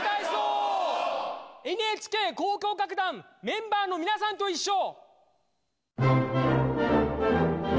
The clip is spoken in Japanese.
ＮＨＫ交響楽団メンバーのみなさんといっしょ！